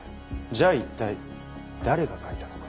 じゃあ一体誰が書いたのか。